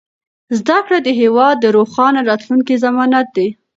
زده کړه د هېواد د روښانه راتلونکي ضمانت دی.